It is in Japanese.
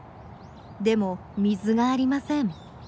でも水がありません。